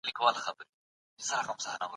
علمي پوهه تل عيني او رښتينې وي.